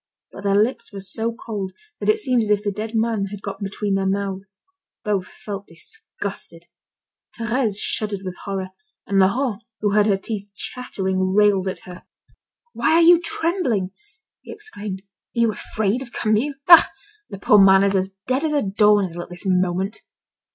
But their lips were so cold that it seemed as if the dead man had got between their mouths. Both felt disgusted. Thérèse shuddered with horror, and Laurent who heard her teeth chattering, railed at her: "Why are you trembling?" he exclaimed. "Are you afraid of Camille? Ah! the poor man is as dead as a doornail at this moment."